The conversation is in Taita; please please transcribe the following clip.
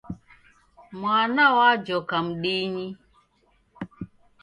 Mwana w'ajhoka mdini.